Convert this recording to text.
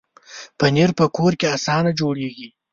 پنېر په کور کې اسانه جوړېږي.